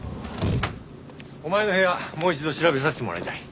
お前の部屋もう一度調べさせてもらいたい。